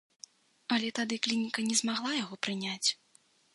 Але тады клініка не змагла яго прыняць.